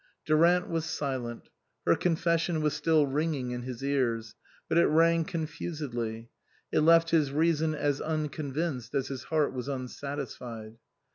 Durant was silent. Her confession was still ringing in his ears ; but it rang confusedly, it left his reason as unconvinced as his heart was unsatisfied.